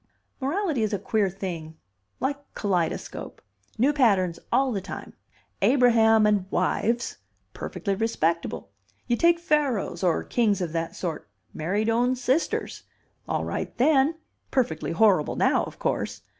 "Morality is queer thing. Like kaleidoscope. New patterns all the time. Abraham and wives perfectly respectable. You take Pharaohs or kings of that sort married own sisters. All right then. Perfectly horrible now, of course.